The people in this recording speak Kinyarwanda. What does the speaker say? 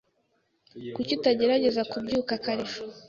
Kuki utagerageza kubyuka kare ejo?